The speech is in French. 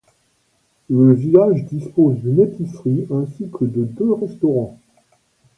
Le village dispose d'une épicerie ainsi que de deux restaurants.